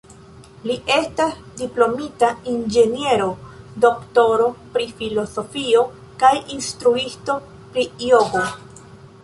Li estas diplomita inĝeniero, doktoro pri filozofio kaj instruisto pri jogo.